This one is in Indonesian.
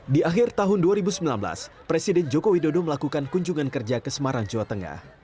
di akhir tahun dua ribu sembilan belas presiden joko widodo melakukan kunjungan kerja ke semarang jawa tengah